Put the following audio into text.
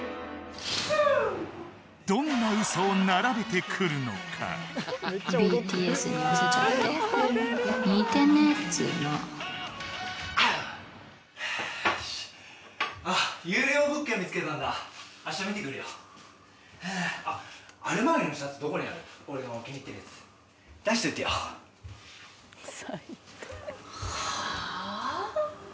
どんなウソを並べてくるのかアウッよしあっはあ？